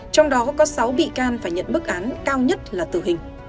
trong đó có sáu bị can phải nhận bức án cao nhất là tử hình